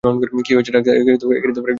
কী হয়েছে, ডাক্তার?